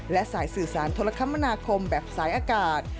และสายสื่อสารโทรคมนาคมแบบสายอากาศ